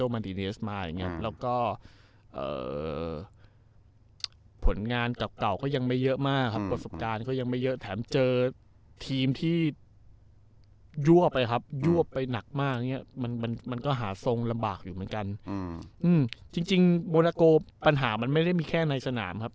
ไม่ได้มีแค่ในสนามครับ